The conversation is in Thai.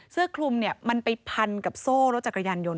เสื้อคลุมมันไปพันกับโซ่รถจักรยานยนต